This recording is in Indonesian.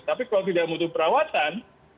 tapi kalau tidak butuh perawatan